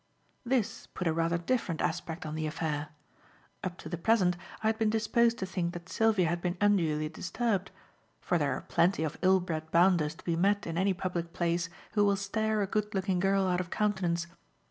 This put a rather different aspect on the affair. Up to the present, I had been disposed to think that Sylvia had been unduly disturbed; for there are plenty of ill bred bounders to be met in any public place who will stare a good looking girl out of countenance.